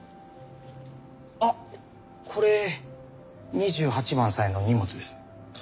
あっこれ２８番さんへのお荷物です。